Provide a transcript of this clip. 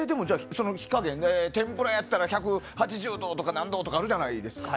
天ぷらやったら１８０度とか何度とかあるじゃないですか。